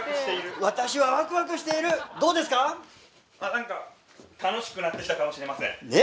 何か楽しくなってきたかもしれません。ね！